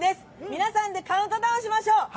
皆さんで、カウントダウンしましょう。